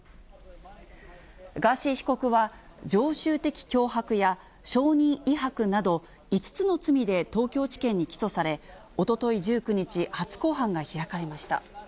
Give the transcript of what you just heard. ガーシー被告は、常習的脅迫やしょうにん威迫など５つの罪で東京地検に起訴され、おととい１９日、初公判が開かれました。